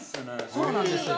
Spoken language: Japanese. ◆そうなんです。